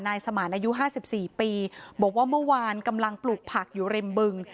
สมานอายุ๕๔ปีบอกว่าเมื่อวานกำลังปลูกผักอยู่ริมบึง